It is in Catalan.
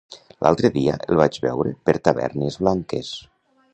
L'altre dia el vaig veure per Tavernes Blanques.